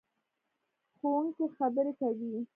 ښوونکې خبرې کوي.